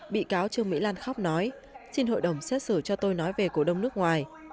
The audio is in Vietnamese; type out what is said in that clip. bị cáo trương mỹ lan khóc nói xin hội đồng xét xử cho tôi nói về cổ đông nước ngoài